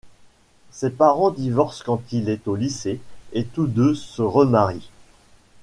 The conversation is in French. Ses parents divorcent quand il est au lycée et tous deux se remarient.